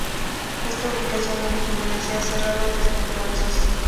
Esta ubicación original se ha cerrado desde entonces.